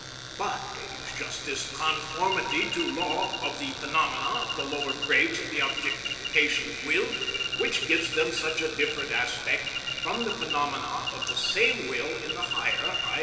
But it is just this conformity to law of the phenomena of the lower grades of the objectification of will which gives them such a different aspect from the phenomena of the same will in the higher, _i.